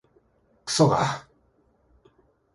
くそが